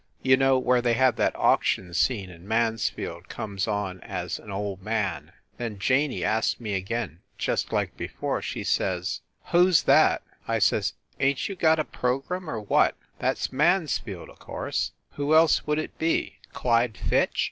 You know where they have that auction scene and Mansfield comes on as an old man. Then Janey asked me again just like before. She says, "Who s that?" I says, "Ain t you got a program, or what? That s Mansfield, o course ! Who else would it be Clyde Fitch ?"